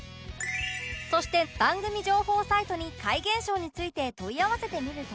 そして番組情報サイトに怪現象について問い合わせてみると